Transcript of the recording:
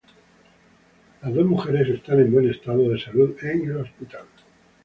Las dos mujeres están en buen estado de salud en el hospital.